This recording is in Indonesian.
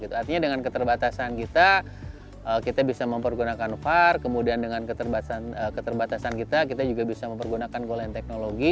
artinya dengan keterbatasan kita kita bisa mempergunakan var kemudian dengan keterbatasan kita kita juga bisa mempergunakan goal and technology